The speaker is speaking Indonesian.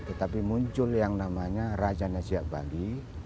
tetapi muncul yang namanya raja nasyabaghi